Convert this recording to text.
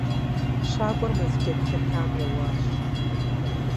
Щакӏуэр мэз джэд лъэтам еуащ.